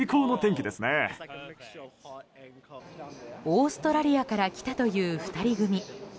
オーストラリアから来たという２人組。